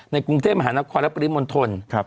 ในกรุงเทพฯมหานครและปริมณ์มนตร